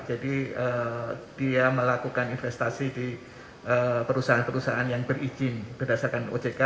jadi dia melakukan investasi di perusahaan perusahaan yang berizin berdasarkan ojk